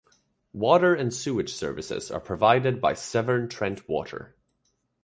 Water and sewage services are provided by Severn Trent Water.